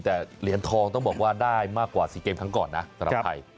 แต่เหรียญทองต้องบอกว่าได้มากกว่า๔เกมครั้งก่อนนะสำหรับไทย